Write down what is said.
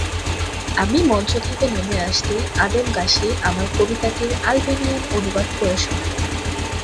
আমি মঞ্চ থেকে নেমে আসতেই আদেম গাশি আমার কবিতাটির আলবেনিয়ান অনুবাদ পড়ে শোনালেন।